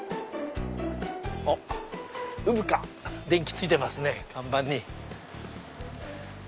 うぶか電気ついてますね看板に。